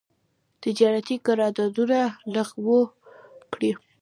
تجارتي قرارداونه لغو کړي.